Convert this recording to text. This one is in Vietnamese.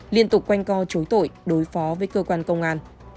liên tục quanh co chối tội đối phó với cơ quan công an